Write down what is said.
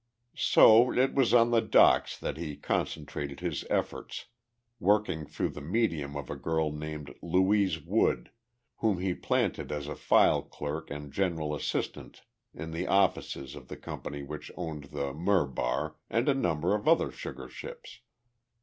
So it was on the docks that he concentrated his efforts, working through the medium of a girl named Louise Wood, whom he planted as a file clerk and general assistant in the offices of the company which owned the Murbar and a number of other sugar ships.